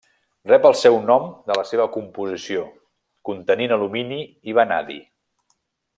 Rep el seu nom de la seva composició, contenint alumini i vanadi.